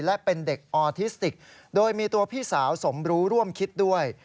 และเป็นเด็กออทิสติกโดยมีตัวพี่สาวสมรู้ร่วมคิดด้วย